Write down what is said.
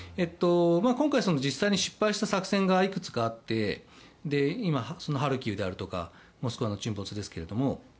今回、実際に失敗した作戦がいくつかあって今、ハルキウであるとか「モスクワ」の沈没ですけれども。